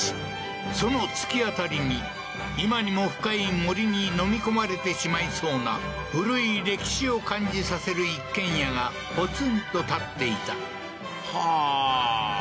その突き当たりに今にも深い森に飲み込まれてしまいそうな古い歴史を感じさせる一軒家がポツンと建っていたはあーあっ